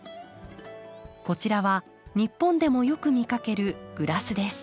こちらは日本でもよく見かけるグラスです。